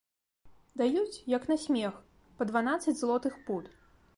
Даюць, як на смех, па дванаццаць злотых пуд.